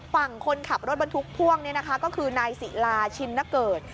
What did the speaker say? ฝั่งคนขับรถบรรทุกพ่วงนี่นะคะก็คือนายศิลาชินนเกิด